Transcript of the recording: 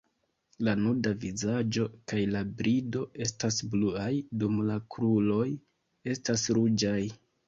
La nuda vizaĝo kaj la brido estas bluaj, dum la kruroj estas ruĝaj.